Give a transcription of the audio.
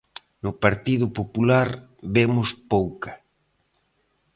No Partido Popular vemos pouca.